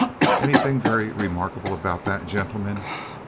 Anything very remarkable about that, gentlemen?